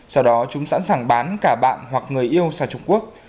sau đó chúng sẵn sàng bán cả bạn hoặc người yêu sang trung quốc